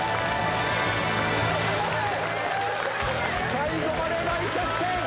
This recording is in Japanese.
最後まで大接戦！